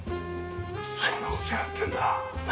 そんな事やってんだ。